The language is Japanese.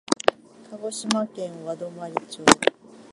鹿児島県和泊町